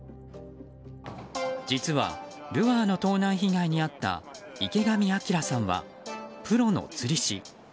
実はルアーの盗難被害に遭った池上日明さんはプロの釣り師。